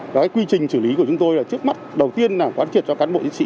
cái quy trình xử lý của chúng tôi là trước mắt đầu tiên là quán triệt cho cán bộ chiến sĩ